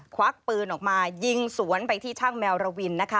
ควักปืนออกมายิงสวนไปที่ช่างแมวระวินนะคะ